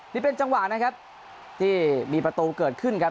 นี่เป็นจังหวะนะครับที่มีประตูเกิดขึ้นครับ